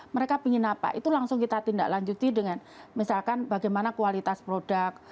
mereka ingin apa itu langsung kita tindak lanjuti dengan misalkan bagaimana kualitas produk